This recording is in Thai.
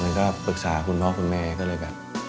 ก็ปรึกษาคุณพ่อคุณแม่ก็เลยแบบ